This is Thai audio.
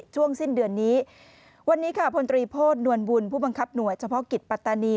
ช่วงสิ้นเดือนนี้วันนี้ค่ะพลตรีโพธนวลบุญผู้บังคับหน่วยเฉพาะกิจปัตตานี